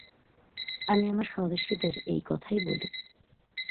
আমি আমার স্বদেশীদের এই কথাই বলি।